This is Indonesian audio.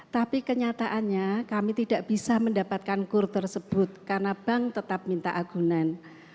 tapi kenyataannya kami tidak bisa mendapatkan kur tersebut karena bank tetap minta agunan